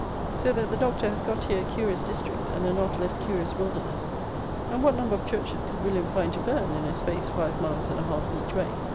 So that the Doctor has got here a curious "district," and a not less curious "wilderness;" and what number of churches could WILLIAM find to burn, in a space five miles and a half each way?